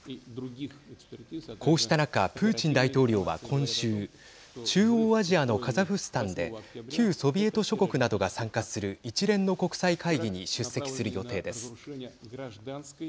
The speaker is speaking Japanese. こうした中プーチン大統領は今週中央アジアのカザフスタンで旧ソビエト諸国などが参加する一連の国際会議に出席する予定です。